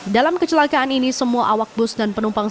dalam kecelakaan ini semua awak bus dan penumpang